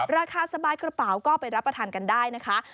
ราคาสบายกระเป๋าก็ไปรับประทานกันได้นะคะ